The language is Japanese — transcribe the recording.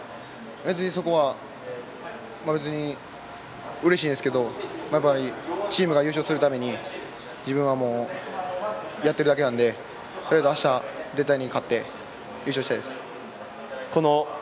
別にそこはうれしいんですけどやっぱりチームが優勝するために自分はやってるだけなのでとりあえず、あした絶対に勝って優勝したいです。